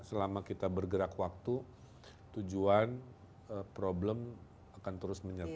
selama kita bergerak waktu tujuan problem akan terus menyertai